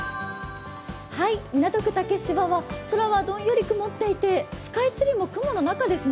港区竹芝は、空はどんより曇っていてスカイツリーも雲の中ですね。